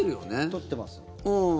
取ってます。